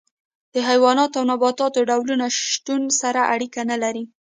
د حیواناتو او نباتاتو ډولونو شتون سره اړیکه نه لري.